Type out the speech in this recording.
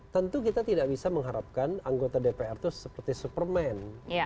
tentu kita tidak bisa mengharapkan anggota dpr itu seperti superman